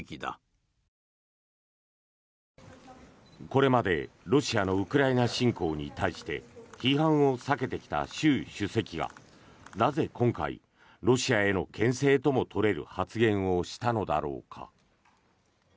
これまでロシアのウクライナ侵攻に対して批判を避けてきた習主席がなぜ今回ロシアへのけん制とも取れる発言をしたのだろうか。